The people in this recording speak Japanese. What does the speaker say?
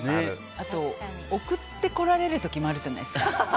あと、送ってこられる時もあるじゃないですか。